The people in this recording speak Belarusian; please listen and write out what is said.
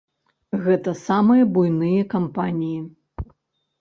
Гэта самыя буйныя кампаніі.